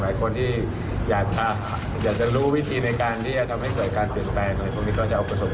อยู่ระหว่างรอ